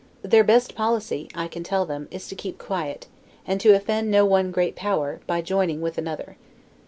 Their best policy (I can tell them) is to keep quiet, and to offend no one great power, by joining with another.